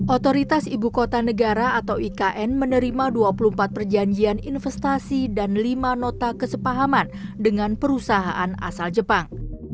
otoritas ibu kota negara atau ikn menerima dua puluh empat perjanjian investasi dan lima nota kesepahaman dengan perusahaan asal jepang